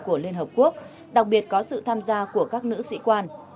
của liên hợp quốc đặc biệt có sự tham gia của các nữ sĩ quan